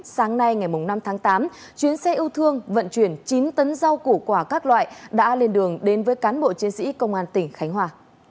sáng nay ngày năm tháng tám chuyến xe ưu thương vận chuyển chín tấn rau củ quả các loại đã lên đường đến với cán bộ chiến sĩ công an tỉnh khánh hòa